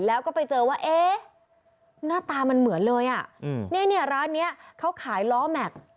แล้วก็ไปเจอว่าเอ๊ะหน้าตามันเหมือนเลยอ่ะเนี่ยร้านนี้เขาขายล้อแม็กซ์